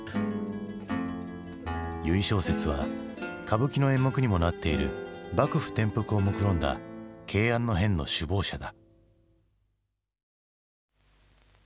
由井正雪は歌舞伎の演目にもなっている幕府転覆をもくろんだ慶安の変の首謀者だ。